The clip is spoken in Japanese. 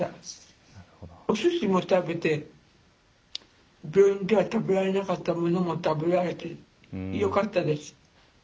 おすしも食べて病院では食べられなかったものも食べられてよかったです。